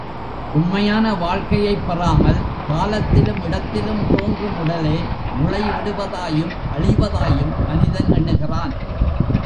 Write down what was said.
உண்மையான வாழ்க்கையைப் பெறாமல், காலத்திலும் இடத்திலும் தோன்றும் உடலே முளைவிடுவதாயும், அழிவதாயும் மனிதன் எண்ணுகிறான்.